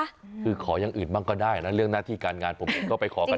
คือขออย่างอื่นบ้างก็ได้นะเรื่องหน้าที่การงานผมผมก็ไปขอกัน